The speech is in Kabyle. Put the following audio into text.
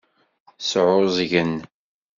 Sɛuẓẓgen.